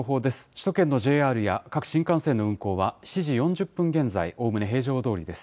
首都圏のＪＲや各新幹線の運行は、７時４０分現在、おおむね平常どおりです。